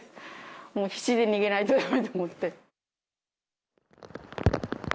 もう必死で逃げないとだめと思って。